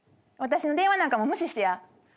私の電話なんか無視してや。